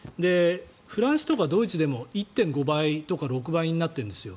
フランスとかドイツでも１．５倍とか１．６倍になってるんです。